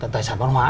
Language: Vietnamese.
tài sản văn hóa